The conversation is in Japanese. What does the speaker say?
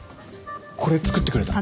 これ作ってくれた？